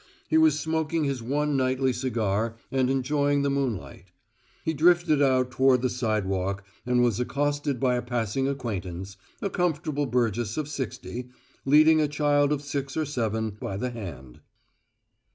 He was smoking his one nightly cigar and enjoying the moonlight. He drifted out toward the sidewalk and was accosted by a passing acquaintance, a comfortable burgess of sixty, leading a child of six or seven, by the hand.